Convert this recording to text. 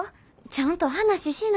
ちゃんと話しな。